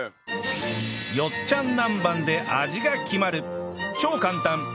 よっちゃんなんばんで味が決まる！